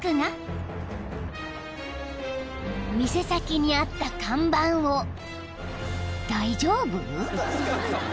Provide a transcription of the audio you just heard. ［店先にあった看板を大丈夫？］